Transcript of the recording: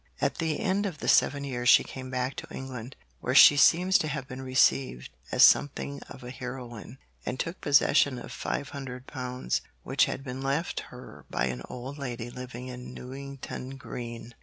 At the end of the seven years she came back to England, where she seems to have been received as something of a heroine, and took possession of £500 which had been left her by an old lady living in Newington Green.